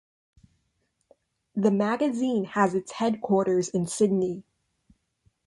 The magazine has its headquarters in Sydney.